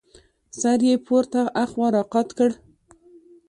سر يې پورته خوا راقات کړ.